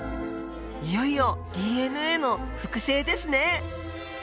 いよいよＤＮＡの複製ですね。